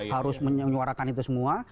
harus menyuarakan itu semua